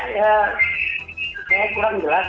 saya kurang jelas